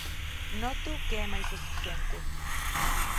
Noto que é máis esixente.